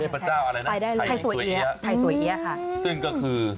เทพเจ้าอะไรนะไทยสวยเอี๊ยะค่ะซึ่งก็คือ